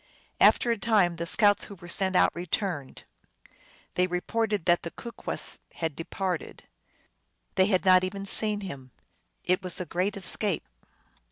After a time, the scouts who were sent out returned. They reported that the Kookwes had departed. They had not even seen him. It was a great escape.